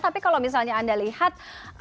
tapi kalau misalnya anda lihat